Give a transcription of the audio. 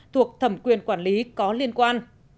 thuộc thẩm quyền quản lý có liên quan